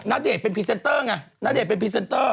นาเดตเป็นพิเศนเตอร์ไง